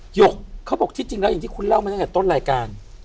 หยกเขาบอกที่จริงแล้วอย่างที่คุณเล่ามาตั้งแต่ต้นรายการ